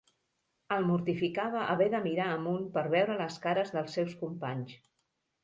El mortificava haver de mirar amunt per veure les cares dels seus companys.